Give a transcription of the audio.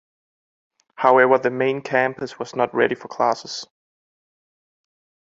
However, the main campus was not ready for classes.